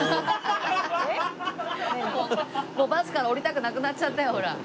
もうバスから降りたくなくなっちゃったよほら。